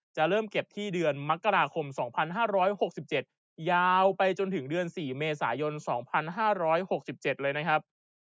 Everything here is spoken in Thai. จะเริ่มเก็บที่เดือนมกราคม๒๕๖๗ยาวไปจนถึงเดือน๔เมษายน๒๕๖๗เลยนะครับ